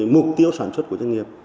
mục tiêu sản xuất của doanh nghiệp